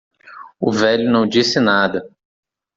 O velho não disse nada.